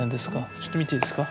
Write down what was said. ちょっと見ていいですか？